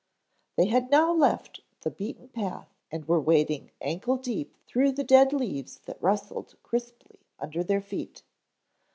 They had now left the beaten path and were wading ankle deep through the dead leaves that rustled crisply under their feet.